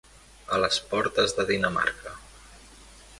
A les portes de Dinamarca.